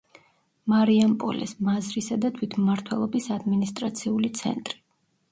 მარიამპოლეს მაზრისა და თვითმმართველობის ადმინისტრაციული ცენტრი.